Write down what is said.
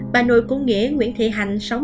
bà nội của nghĩa nguyễn thị hạnh